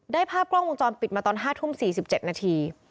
ภาพกล้องวงจรปิดมาตอน๕ทุ่ม๔๗นาที